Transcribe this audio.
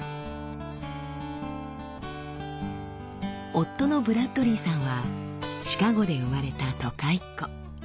夫のブラッドリーさんはシカゴで生まれた都会っ子。